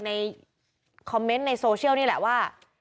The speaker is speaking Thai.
ในคอมเมนต์ในโซเชียลนี่แหละว่า